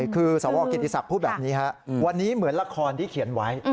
คือสวกิติศักดิ์พูดแบบนี้ฮะวันนี้เหมือนละครที่เขียนไว้